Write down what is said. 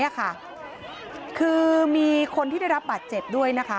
คือมีคนที่ได้รับบาดเจ็บด้วยนะคะ